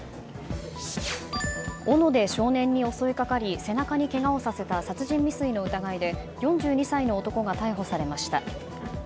斧で少年に襲いかかり背中にけがをさせた殺人未遂の疑いで４２歳の男が逮捕されました。